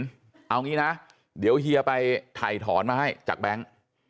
เอางี้นะเดี๋ยวเฮียไปถ่ายถอนมาให้จากแบงค์